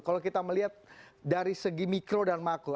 kalau kita melihat dari segi mikro dan makro